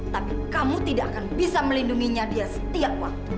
tapi kamu tidak akan bisa melindunginya dia setiap waktu